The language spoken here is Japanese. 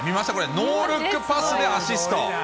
ノールックパスでアシスト。